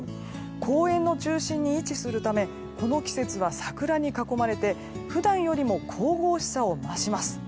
公園の中心に位置するためこの季節は桜に囲まれて普段よりも神々しさを増します。